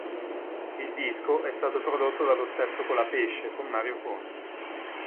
Il disco è stato prodotto dallo stesso Colapesce con Mario Conte.